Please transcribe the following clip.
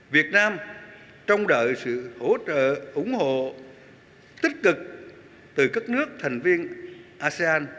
việt nam trông đợi sự hỗ trợ ủng hộ tích cực từ các nước thành viên asean